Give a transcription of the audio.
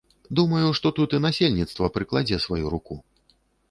Думаю, што тут і насельніцтва прыкладзе сваю руку.